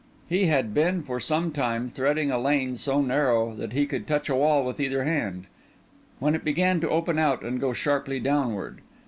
He had been for some time threading a lane so narrow that he could touch a wall with either hand, when it began to open out and go sharply downward.